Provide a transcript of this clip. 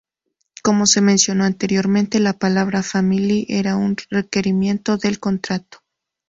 Como se mencionó anteriormente, la palabra "Family" era un requerimiento del contrato.